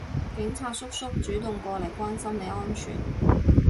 警察叔叔主動過嚟關心你安全